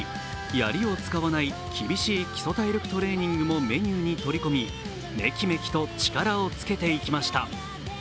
やりを使わない厳しい基礎体力トレーニングもメニューに取り込み、メキメキと力をつけていきました。